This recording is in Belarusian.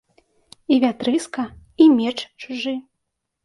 І вятрыска, і меч чужы.